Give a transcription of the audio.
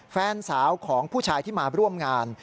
แฟนสาวของผู้ชายที่มาร่วมงาน